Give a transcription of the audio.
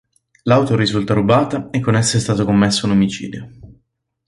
L'auto risulta rubata e con essa è stato commesso un omicidio.